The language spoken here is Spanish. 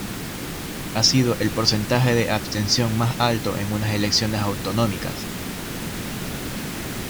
Ha sido el porcentaje de abstención más alto en unas elecciones autonómicas.